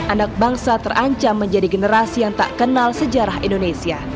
anak bangsa terancam menjadi generasi yang tak kenal sejarah indonesia